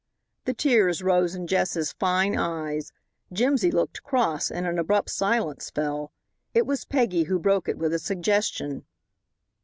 The tears rose in Jess's fine eyes. Jimsy looked cross, and an abrupt silence fell. It was Peggy who broke it with a suggestion.